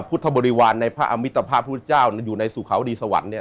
บริวารในพระอมิตภาพพุทธเจ้าอยู่ในสู่เขาดีสวรรค์เนี่ย